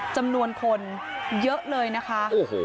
จำนวนคนเยอะเลยนะคะโอ้โห